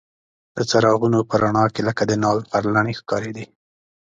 د څراغونو په رڼا کې لکه د ناوې خورلڼې ښکارېدې.